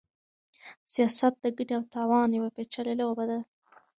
سياست د ګټې او تاوان يوه پېچلې لوبه ده.